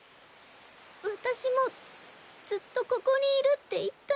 私もずっとここにいるって言ったのに。